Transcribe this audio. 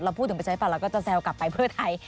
พูดถึงประชาธิปัตเราก็จะแซวกลับไปเพื่อไทย